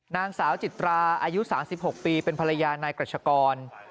นางสาวจิตราอายุ๓๖ปีเป็นภรรยานายกรัชกร